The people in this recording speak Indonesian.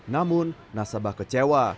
namun nasabah kecewa